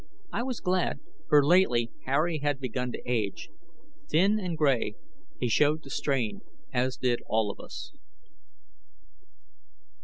I was glad, for lately, Harry had begun to age. Thin and gray, he showed the strain as did all of us.